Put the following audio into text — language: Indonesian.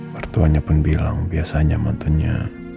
mertuanya pun bilang biasanya mantunya